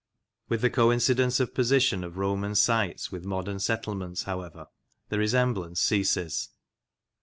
With the coincidence of position of Roman sites with modern settlements, however, the resemblance ceases.